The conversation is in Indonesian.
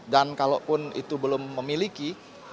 dan kalaupun itu belum memiliki